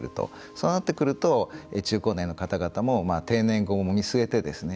そうなってくると中高年の方々も定年後も見据えてですね